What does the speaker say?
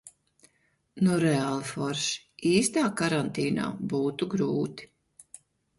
Nu reāli forši. Īstā karantīnā būtu grūti.